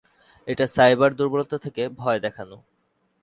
এটা সাইবার দূর্বলতা থেকে ভয় দেখানো।